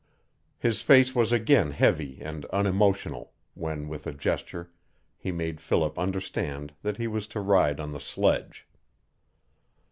His face was again heavy and unemotional when with a gesture he made Philip understand that he was to ride on the sledge.